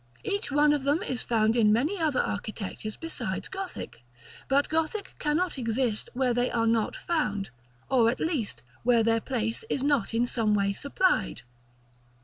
Each one of them is found in many other architectures besides Gothic; but Gothic cannot exist where they are not found, or, at least, where their place is not in some way supplied.